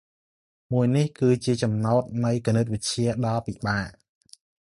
មួយនេះគឺជាចំណោតនៃគណិតវិទ្យាដ៏ពិបាក ។